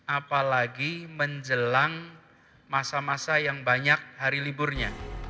apalagi menjelang masa masa yang banyak hari liburnya